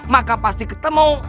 maka pasti ketemu